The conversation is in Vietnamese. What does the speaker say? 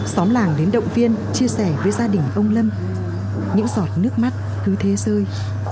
xóm làng đến động viên chia sẻ với gia đình ông lâm những giọt nước mắt cứ thế rơi